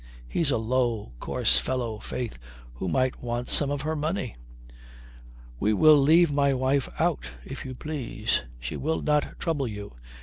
He's a low, coarse fellow, faith, who might want some of her money." "We will leave my wife out, if you please. She will not trouble you.